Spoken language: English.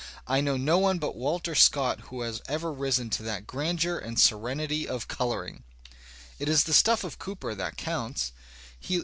I know no one but Walter Scott who has ever risen to that grandeur and serenity of colouring." It is the stuff of Cooper that counts.